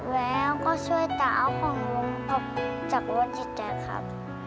แล้วก็ช่วยตาเอาของลูงจักรวดจิตจักครับ